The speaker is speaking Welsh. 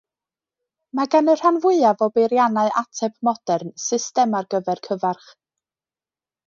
Mae gan y rhan fwyaf o beiriannau ateb modern system ar gyfer cyfarch.